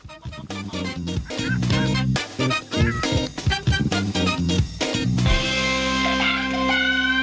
ต้า